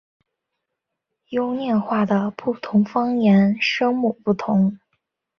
优念话的不同方言声母不同。